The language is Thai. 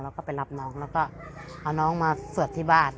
แล้วก็ไปรับน้องแล้วก็เอาน้องมาสวดที่บ้าน